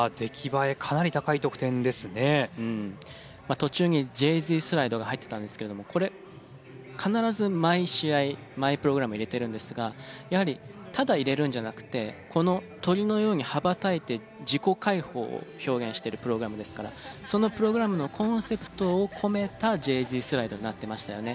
途中にジェイジースライドが入ってたんですけれどもこれ必ず毎試合毎プログラム入れてるんですがやはりただ入れるんじゃなくてこの鳥のように羽ばたいて自己解放を表現してるプログラムですからそのプログラムのコンセプトを込めたジェイジースライドになってましたよね。